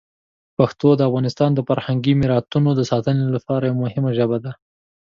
پښتو د افغانستان د فرهنګي میراتونو د ساتنې لپاره یوه مهمه ژبه ده.